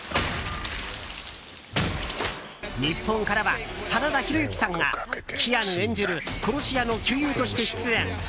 日本からは真田広之さんがキアヌ演じる殺し屋の旧友として出演。